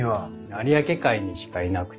有明海にしかいなくて。